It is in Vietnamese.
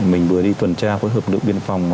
mình vừa đi tuần tra với hợp lượng biên phòng